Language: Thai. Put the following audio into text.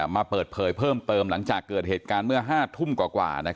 มาเปิดเผยเพิ่มเติมหลังจากเกิดเหตุการณ์เมื่อ๕ทุ่มกว่า